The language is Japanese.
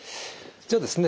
じゃあですね